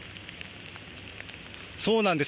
そうなんです。